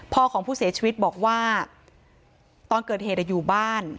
ของผู้เสียชีวิตบอกว่าตอนเกิดเหตุอยู่บ้าน